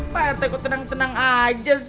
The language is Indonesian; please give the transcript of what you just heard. pak rt kok tenang tenang aja sih